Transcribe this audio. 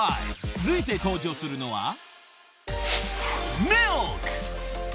続いて登場するのは］